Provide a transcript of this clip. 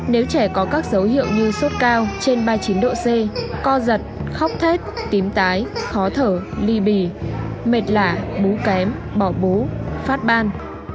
nếu trẻ có các dấu hiệu như sốt cao trên ba mươi chín độ c co giật khóc thét tím tái khó thở ly bì mệt lạ bú kém bỏ bú phát ban